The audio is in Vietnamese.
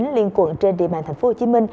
liên cuộn trên địa bàn tp hcm